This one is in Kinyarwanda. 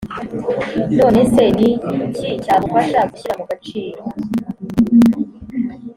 none se ni iki cyagufasha gushyira mu gaciro?